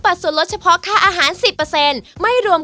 วันนี้ขอบคุณมากเลยครับ